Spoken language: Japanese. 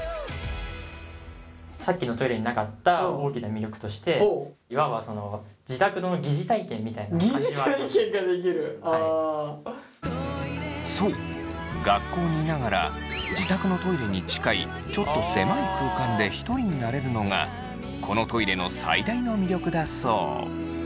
さっきのトイレになかった大きな魅力としていわばそのそう学校にいながら自宅のトイレに近いちょっと狭い空間でひとりになれるのがこのトイレの最大の魅力だそう。